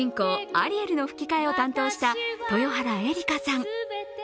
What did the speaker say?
アリエルの吹き替えを担当した豊原江理佳さん。